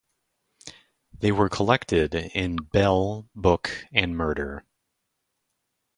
They were collected in Bell, Book, and Murder.